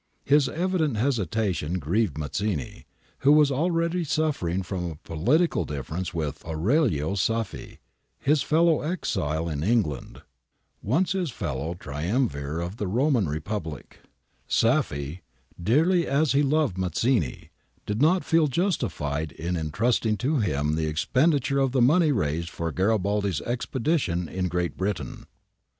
* His evident hesitation grieved Mazzini, who was already suffering from a political difference with Aurelio Saffi, his fellow exile in England, once his fellow triumvir of the Roman Re public : Saffi, dearly as he loved Mazzini, did not feel justified in entrusting to him the expenditure of the money raised for Garibaldi's expedition in Great Britain.